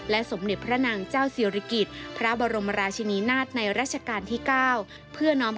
และสมเด็จพระนางเจ้าศิริกิตพระบรมราชนีนาศในรัชกาลที่เก้า